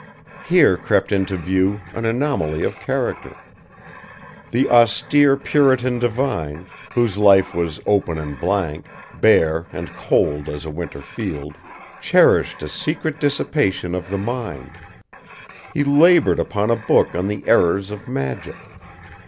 Here crept into view an anomaly of character. The austere Puritan divine, whose life was open and blank, bare and cold as a winter field, cherished a secret dissipation of the mind. He labored upon a book on the errors of magic.